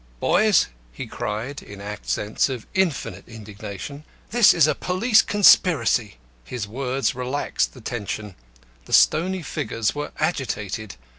"Boys!" he cried, in accents of infinite indignation, "this is a police conspiracy." His words relaxed the tension. The stony figures were agitated.